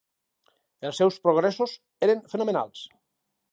Els seus progressos eren fenomenals.